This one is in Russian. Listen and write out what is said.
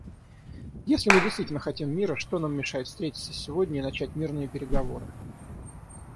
Если мы действительно хотим мира, что нам мешает встретиться сегодня и начать мирные переговоры?